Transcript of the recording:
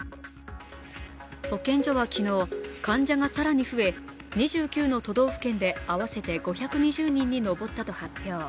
保健所は昨日、患者が更に増え２９の都道府県で合わせて５２０人に上ったと発表。